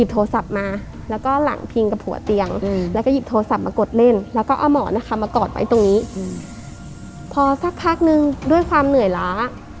พอสักพักนึงด้วยความเหนื่อยล้า